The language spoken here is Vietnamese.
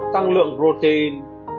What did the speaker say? tăng lượng protein